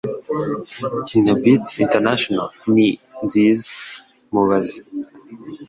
Kina Beats International ni Nziza Mubaze